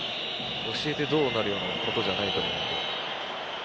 教えてどうなるということじゃないと思う。